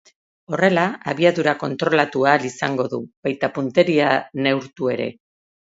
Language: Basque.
Horrela, abiadura kontrolatu ahal izango du, baita punteria neurtu ere.